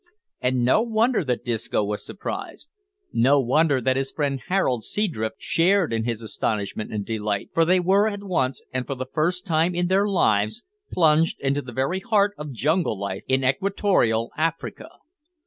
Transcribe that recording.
And no wonder that Disco was surprised; no wonder that his friend Harold Seadrift shared in his astonishment and delight, for they were at once, and for the first time in their lives, plunged into the very heart of jungle life in equatorial Africa!